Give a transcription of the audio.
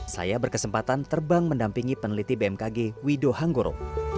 saya berkesempatan terbang mendampingi peneliti bmkg wido hanggoro